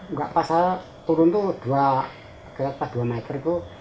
nggak pas saya turun tuh dua kereta dua maker tuh